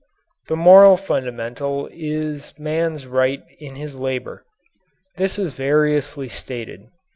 The moral fundamental is man's right in his labour. This is variously stated.